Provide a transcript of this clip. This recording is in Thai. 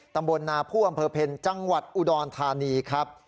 ตำบลนาผู้อำเภอเพลจังหวัดอุดรธานีครับ